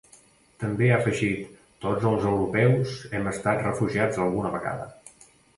També ha afegit: ‘Tots els europeus hem estat refugiats alguna vegada’.